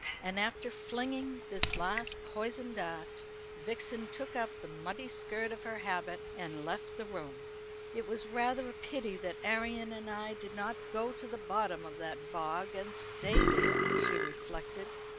And after flinging this last poisoned dart, Vixen took up the muddy skirt of her habit and left the room. "It was rather a pity that Arion and I did not go to the bottom of that bog and stay there," she reflected.